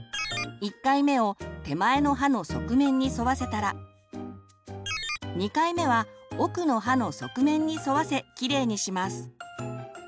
１回目を手前の歯の側面に沿わせたら２回目は奥の歯の側面に沿わせきれいにします。